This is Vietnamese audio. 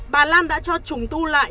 bà lan đã cho chúng tu lại